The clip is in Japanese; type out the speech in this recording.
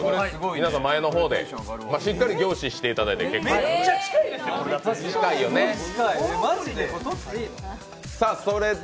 皆さん、前の方でしっかり凝視していただいて結構ですんで。